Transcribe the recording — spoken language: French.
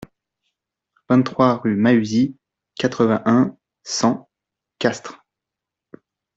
vingt-trois rue Mahuzies, quatre-vingt-un, cent, Castres